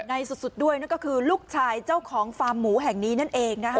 ในสุดด้วยนั่นก็คือลูกชายเจ้าของฟาร์มหมูแห่งนี้นั่นเองนะคะ